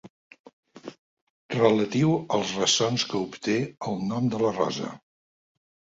Relatiu als ressons que obté “El nom de la rosa”.